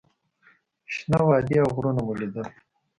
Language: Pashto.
شنه وادي او غرونه مو لیدل.